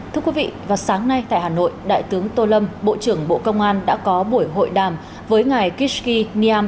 thưa quý vị vào sáng nay tại hà nội đại tướng tô lâm bộ trưởng bộ công an đã có buổi hội đàm với ngài kiskyam